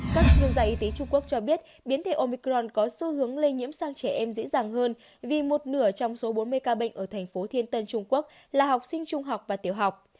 các chuyên gia y tế trung quốc cho biết biến thể omicron có xu hướng lây nhiễm sang trẻ em dễ dàng hơn vì một nửa trong số bốn mươi ca bệnh ở thành phố thiên tân trung quốc là học sinh trung học và tiểu học